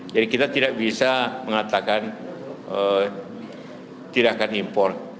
jadi kita tidak bisa mengatakan tidak akan import